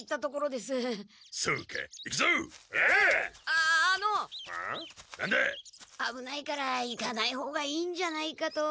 あぶないから行かない方がいいんじゃないかと。